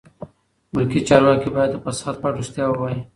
ملکي چارواکي باید د فساد په اړه رښتیا ووایي.